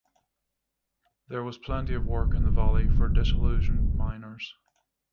There was plenty of work in the valley for disillusioned miners.